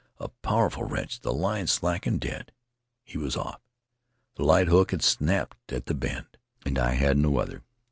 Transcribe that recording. A powerful wrench, the line slackened dead, he was off, the light hook had snapped at the bend — and I had no other!